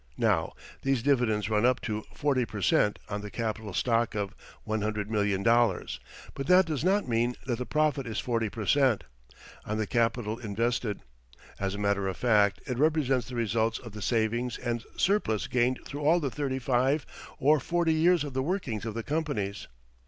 Now, these dividends run up to 40 per cent. on the capital stock of $100,000,000, but that does not mean that the profit is 40 per cent. on the capital invested. As a matter of fact, it represents the results of the savings and surplus gained through all the thirty five or forty years of the workings of the companies.